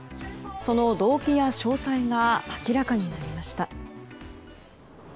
その動機や詳細が明らかになりました。